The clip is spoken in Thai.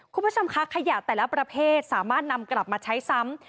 คุณผู้ชมคะขยะแต่ละประเภทสามารถนำกลับมาใช้ซ้ำ